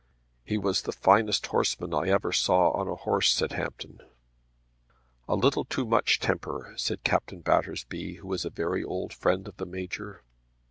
"He was the finest horseman I ever saw on a horse," said Hampton. "A little too much temper," said Captain Battersby, who was a very old friend of the Major.